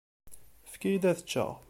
Efk-iyi-d ad ččeɣ.